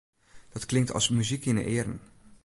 Dat klinkt as muzyk yn 'e earen.